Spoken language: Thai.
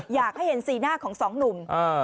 อยากให้เห็นสีหน้าของสองหนุ่ม